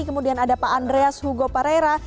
kemudian ada pak andreas hugo pareira